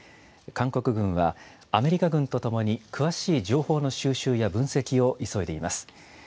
韓国軍は、アメリカ軍とともに詳しい情報の収集や分析を急いでいます。